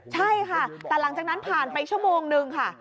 ใช่ค่ะแต่หลังจากนั้นผ่านไปชั่วโมงนึงค่ะ